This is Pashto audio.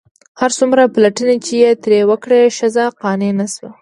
هر څومره پلټنې چې یې ترې وکړې ښځه قانع نه شوه.